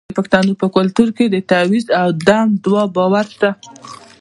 د پښتنو په کلتور کې د تعویذ او دم دعا باور شته.